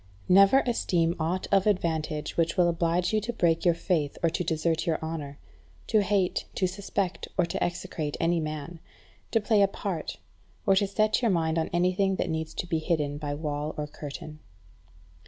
7. Never esteem aught of advantage which will oblige you to break your faith, or to desert your honour; to hate, to suspect, or to execrate any man; to play a part; or to set your mind on anything that needs to be hidden by wall or curtain.